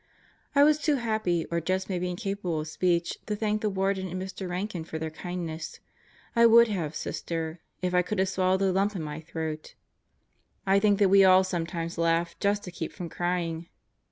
I was too happy, or just maybe incapable of speech, to thank the Warden and Mr. Rankin for their kindness. I would have, Sister, if I could have swallowed the lump in my throat. I think that we all sometimes laugh just to keep from crying.